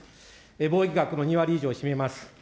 貿易額も２割以上を占めます。